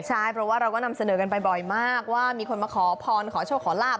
ใช่เพราะว่าเราก็นำเสนอกันไปบ่อยมากว่ามีคนมาขอพรขอโชคขอลาบ